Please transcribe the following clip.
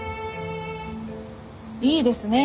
いいですね？